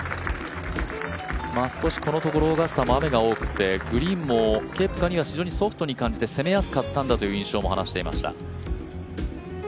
少しこのところもオーガスタ、雨が多くてグリーンもケプカには非常にソフトに感じて攻めやすかったんだということも話していました。